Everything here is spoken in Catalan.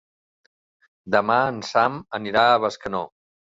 Demà en Sam anirà a Bescanó.